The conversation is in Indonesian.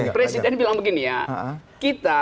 presiden bilang begini ya kita